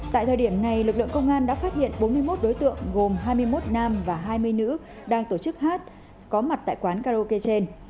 tại thời điểm này lực lượng công an đã phát hiện bốn mươi một đối tượng gồm hai mươi một nam và hai mươi nữ đang tổ chức hát có mặt tại quán karaoke trên